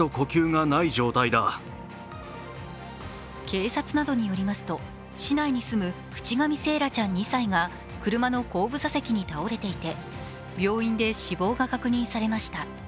警察などによりますと市内に住む渕上惺愛ちゃん２歳が車の後部座席に倒れていて病院で死亡が確認されました。